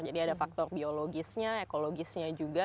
jadi ada faktor biologisnya ekologisnya juga